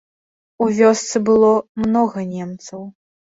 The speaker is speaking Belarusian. У вёсцы было многа немцаў.